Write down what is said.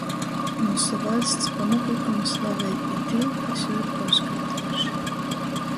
Myusu vaļsts pamatlykumu slavej i tī, kas jū ir puorskaitejuši,